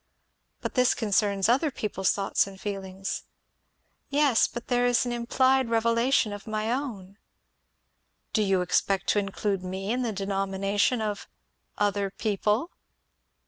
"But this concerns other people's thoughts and feelings." "Yes, but there is an implied revelation of my own." "Do you expect to include me in the denomination of 'other people'?"